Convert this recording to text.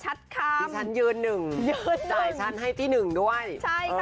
ชัดคำที่ฉันเยินหนึ่งเยินหนึ่งจ่ายฉันให้ที่หนึ่งด้วยใช่ค่ะ